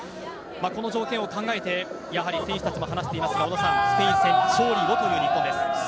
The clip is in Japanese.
この条件を考えてやはり選手たちも話していますがスペイン戦勝利をという日本です。